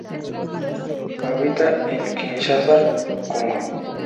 Habita en Kinshasa, Congo.